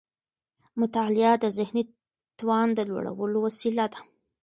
مطالعه د ذهني توان د لوړولو وسيله ده.